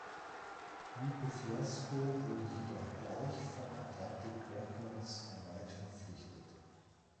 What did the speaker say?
Lupe Fiasco wurde jedoch gleich von Atlantic Records erneut verpflichtet.